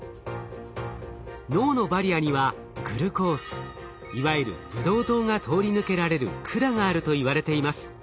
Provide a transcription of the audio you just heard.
脳のバリアにはグルコースいわゆるブドウ糖が通り抜けられる管があるといわれています。